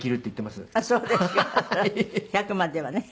１００まではね。